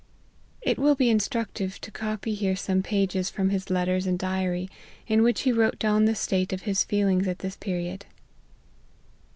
It will be instructive to copy here some pages from his letters and diary, in which he wrote down the state of his feelings at this period.